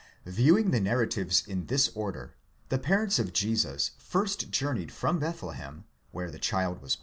Viewing the narratives in this order, the parents of Jesus first journeyed from LDethlehem, where the child was.